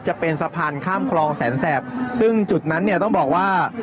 จะเป็นสะพานข้ามคลองแสนแสบซึ่งจุดนั้นเนี่ยต้องบอกว่า